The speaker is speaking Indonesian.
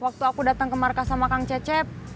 waktu aku datang ke markas sama kang cecep